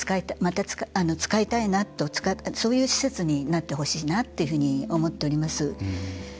また使いたいなとそういう施設になってほしいなっていうふうに思っております。